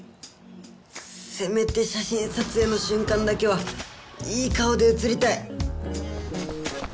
せめて写真撮影のしゅんかんだけはいい顔で写りたい。